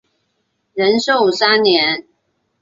仁寿三年。